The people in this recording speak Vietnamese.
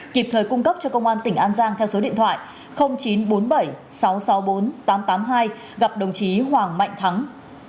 kịp thời cung cấp cho công an tỉnh an giang theo số điện thoại chín trăm bốn mươi bảy sáu trăm sáu mươi bốn tám trăm tám mươi hai gặp đồng chí hoàng mạnh thắng